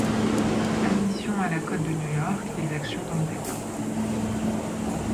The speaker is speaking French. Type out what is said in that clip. Admission à la cote de New York des actions d’Endesa.